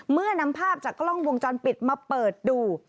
นำภาพจากกล้องวงจรปิดมาเปิดดู